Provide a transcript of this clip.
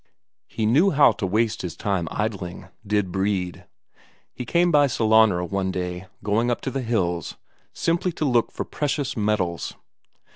He knew how to waste his time idling, did Brede. He came by Sellanraa one day, going up to the hills simply to look for precious metals.